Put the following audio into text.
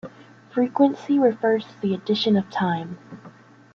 Frequency refers to the addition of time.